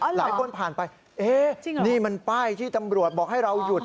หลายคนผ่านไปนี่มันป้ายที่ตำรวจบอกให้เราหยุด